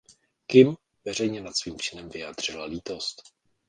Kim veřejně nad svým činem vyjádřila lítost.